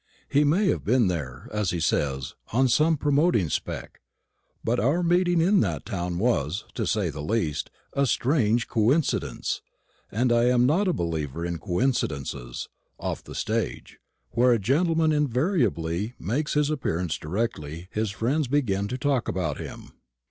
He may have been there, as he says, on some promoting spec; but our meeting in that town was, to say the least, a strange coincidence, and I am not a believer in coincidences off the stage, where a gentleman invariably makes his appearance directly his friends begin to talk about him.